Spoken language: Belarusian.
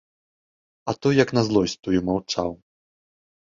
А той як на злосць тую маўчаў.